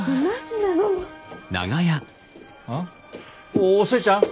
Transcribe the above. おお寿恵ちゃん？